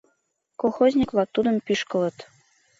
Колхозник-влак тудым пӱшкылыт.